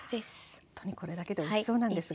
ほんとにこれだけでおいしそうなんですが。